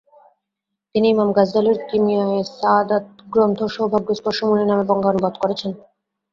তিনি ইমাম গাজ্জালির কিমিয়ায়ে সাআদাত গ্রন্থ সৌভাগ্যস্পর্শমণি নামে বঙ্গানুবাদ করেছেন।